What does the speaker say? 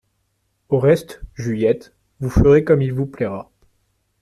Au reste, Juliette, vous ferez comme il vous plaira.